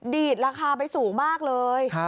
ดีดราคาไปสูงมากเลย